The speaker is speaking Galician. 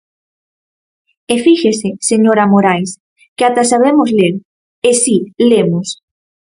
E fíxese, señora Morais, que ata sabemos ler; e si, lemos.